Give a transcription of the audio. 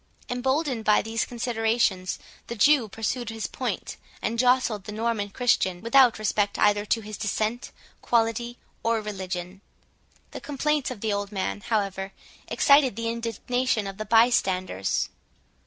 Emboldened by these considerations, the Jew pursued his point, and jostled the Norman Christian, without respect either to his descent, quality, or religion. The complaints of the old man, however, excited the indignation of the bystanders.